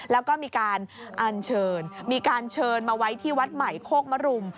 แล้วก็มีการอัญเชิญมีการเชิญมาไว้ที่วัดใหม่โคกมรุม